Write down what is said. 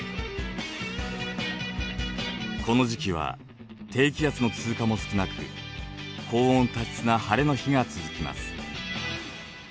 この時期は低気圧の通過も少なく高温多湿な晴れの日が続きます。